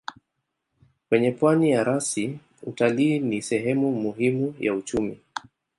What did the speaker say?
Kwenye pwani ya rasi utalii ni sehemu muhimu ya uchumi.